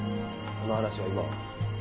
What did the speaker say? その話は今は。